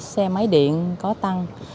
xe máy điện có tăng